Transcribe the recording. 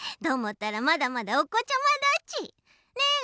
どーもったらまだまだおこちゃまだち。ね？